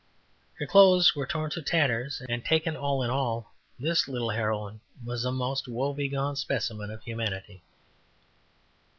Her clothes were torn to tatters, and taken all in all this little heroine was a most woebegone specimen of humanity.